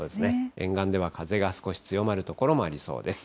沿岸では風が少し強まる所もありそうです。